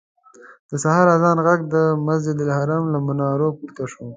د سهار اذان غږ د مسجدالحرام له منارونو پورته شو.